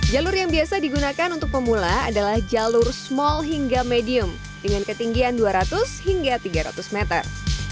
jalur yang biasa digunakan untuk pemula adalah jalur small hingga medium dengan ketinggian dua ratus hingga tiga ratus meter